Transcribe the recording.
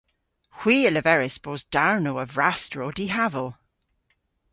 Hwi a leveris bos darnow a vrasterow dihaval.